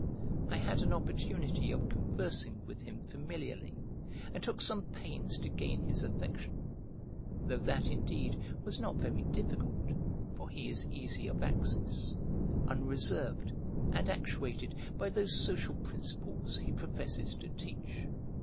I had an opportunity of conversing with him familiarly, and took some pains to gain his affection: though that, indeed, was not very difficult, for he is easy of access, unreserved, and actuated by those social principles he professes to teach.